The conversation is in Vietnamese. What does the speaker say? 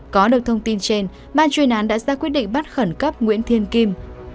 có được thông tin trên ban chuyên án đã ra quyết định bắt khẩn cấp nguyễn thiên kim